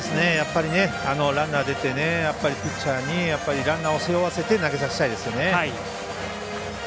ランナー出てピッチャーにランナーを背負わせて投げさせたいですよね。